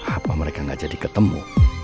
apa mereka gak jadi ketemu